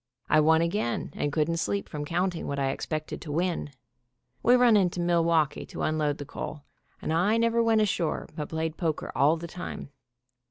I won again, and couldn't sleep from counting what I expected to win. We run into Milwaukee to unload the coal, and I never went ashore, but played poker all the time.